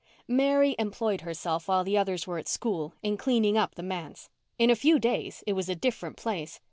Mary employed herself while the others were at school in cleaning up the manse. In a few days it was a different place.